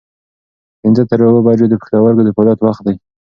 پنځه تر اووه بجو د پښتورګو د فعالیت وخت دی.